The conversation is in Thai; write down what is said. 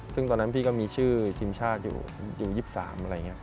ซึ่งตอนนั้นพี่ก็มีชื่อทีมชาติอยู่อยู่๒๓อะไรอย่างนี้